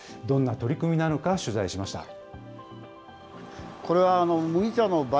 どんな取り組みなのか、取材しました。